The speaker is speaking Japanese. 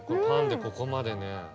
パンでここまでね。